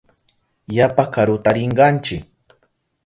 Yapa karuta rinkanchi.